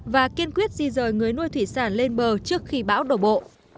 và kiên quyết di rời người nuôi thủy sản lên bờ trước khi bão đổ bộ